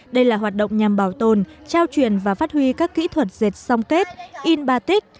đây là hoạt động nhằm bảo tồn trao truyền và phát huy các kỹ thuật dệt song kết in batic